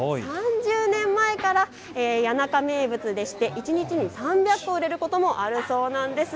３０年前から谷中名物で一日に３００個売れることもあるそうです。